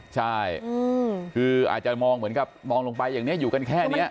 ใช่คืออาจจะมองเหมือนกับมองลงไปอย่างนี้อยู่กันแค่นี้